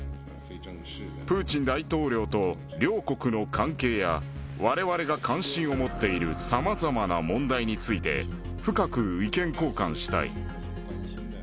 プーチン大統領と両国の関係や、われわれが関心を持っているさまざまな問題について、深く意見交換したい。